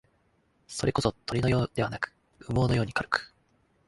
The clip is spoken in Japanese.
それこそ、鳥のようではなく、羽毛のように軽く、